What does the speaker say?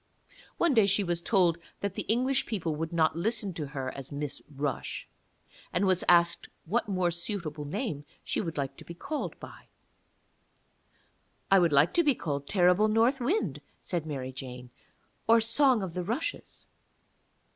One day she was told that the English people would not listen to her as Miss Rush, and was asked what more suitable name she would like to be called by. 'I would like to be called Terrible North Wind,' said Mary Jane, 'or Song of the Rushes.'